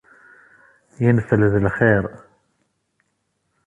Yenfel d lxiṛ.